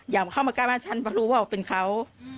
อย่ามาเข้ามาก้ายบ้านฉันมารู้ว่าเป็นเขา